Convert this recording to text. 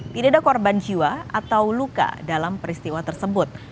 tidak ada korban jiwa atau luka dalam peristiwa tersebut